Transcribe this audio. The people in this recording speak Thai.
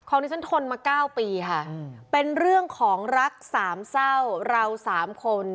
ที่ฉันทนมา๙ปีค่ะเป็นเรื่องของรักสามเศร้าเราสามคน